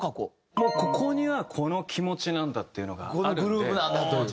もうここにはこの気持ちなんだっていうのがあるんで。